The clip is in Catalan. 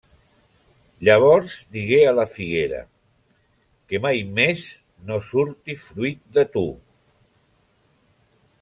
Llavors digué a la figuera: -Que mai més no surti fruit de tu!